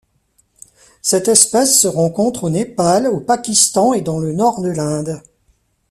Cette espèce se rencontre au Népal, au Pakistan et dans le nord de l'Inde.